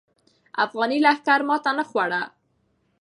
افغاني لښکر ماتې نه خوړله.